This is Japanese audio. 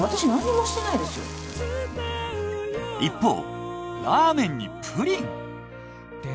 一方ラーメンにプリン！？